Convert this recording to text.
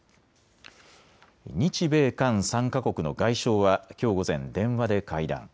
日米韓３か国の外相はきょう午前、電話で会談。